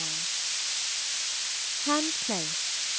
HANS PLACE, Nov.